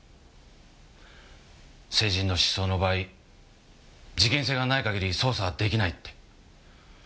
成人の失踪の場合事件性がない限り捜査は出来ないって。